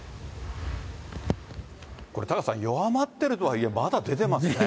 これ、タカさん、弱まっているとはいえ、まだ出てますね。